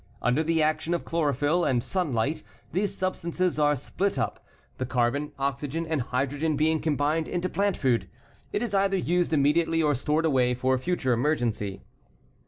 Under the action of chlorophyll and sunlight these substances are split up, the carbon, oxygen and hydrogen being combined into plant food. It is either used immediately or stored away for future emergency.